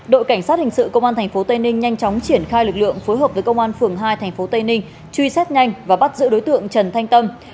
đội cảnh sát hình sự công an tp tây ninh nhanh chóng triển khai lực lượng phối hợp với công an phường hai tp tây ninh truy xét nhanh và bắt giữ đối tượng trần thanh tâm